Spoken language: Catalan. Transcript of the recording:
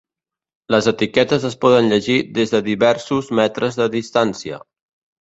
Les etiquetes es poden llegir des de diversos metres de distància.